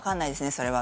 それは。